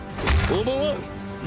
思わん！